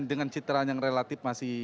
dengan citra yang relatif masih